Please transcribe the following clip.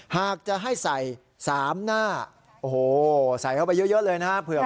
หากจะให้ใส่๓หน้าโอ้โหใส่เข้าไปเยอะเลยนะฮะ